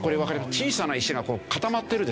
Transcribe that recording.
小さな石が固まってるでしょ？